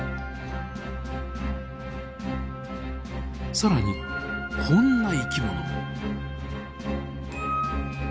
更にこんな生き物も。